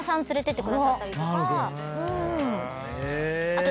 あと。